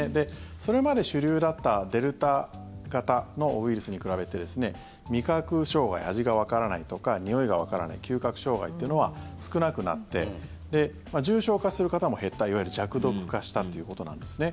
それまで主流だったデルタ型のウイルスに比べて味覚障害、味がわからないとかにおいがわからない嗅覚障害というのは少なくなって重症化する方も減ったいわゆる弱毒化したということなんですね。